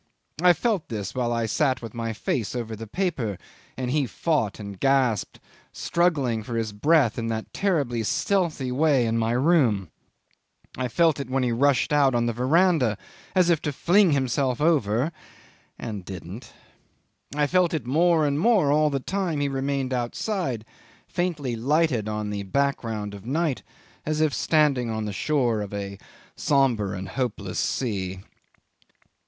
I felt this while I sat with my face over the paper and he fought and gasped, struggling for his breath in that terribly stealthy way, in my room; I felt it when he rushed out on the verandah as if to fling himself over and didn't; I felt it more and more all the time he remained outside, faintly lighted on the background of night, as if standing on the shore of a sombre and hopeless sea.